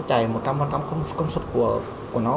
chạy một trăm linh công suất của nó